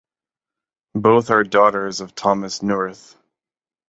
Both are daughters of Thomas Neurath.